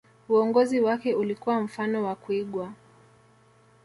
uongozi wake ulikuwa mfano wa kuigwa